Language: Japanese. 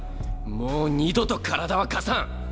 もう二度と体は貸さん。